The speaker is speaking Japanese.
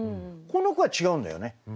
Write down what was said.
この句は違うんだよね。